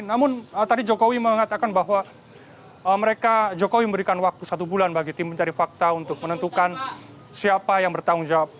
namun tadi jokowi mengatakan bahwa mereka jokowi memberikan waktu satu bulan bagi tim mencari fakta untuk menentukan siapa yang bertanggung jawab